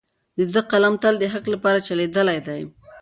د ده قلم تل د حق لپاره چلیدلی دی.